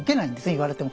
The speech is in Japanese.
言われても。